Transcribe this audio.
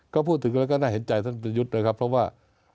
ก็พูดถึงแล้วก็น่าเห็นใจท่านประยุทธ์นะครับเพราะว่า